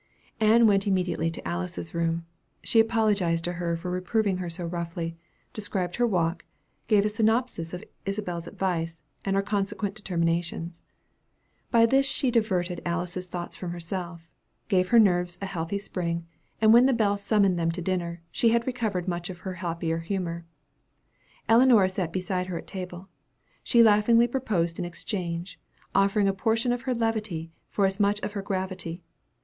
Ann went immediately to Alice's room on her return. She apologized to her for reproving her so roughly, described her walk, gave a synopsis of Isabel's advice, and her consequent determinations. By these means she diverted Alice's thoughts from herself, gave her nerves a healthy spring, and when the bell summoned them to dinner, she had recovered much of her happier humor. Ellinora sat beside her at table. She laughingly proposed an exchange, offering a portion of her levity for as much of her gravity.